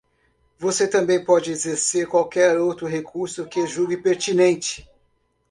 Você também pode exercer qualquer outro recurso que julgue pertinente.